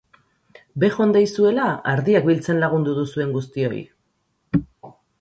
Bejondeizuela ardiak biltzen lagundu duzuen guztioi!